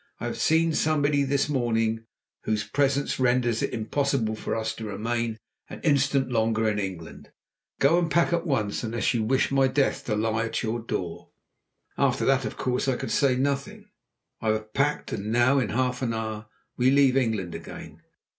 'I have seen somebody this morning whose presence renders it impossible for us to remain an instant longer in England. Go and pack at once, unless you wish my death to lie at your door.' After that I could, of course, say nothing. I have packed and now, in half an hour, we leave England again.